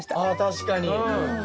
確かに。